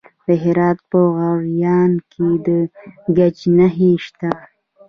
د هرات په غوریان کې د ګچ نښې شته.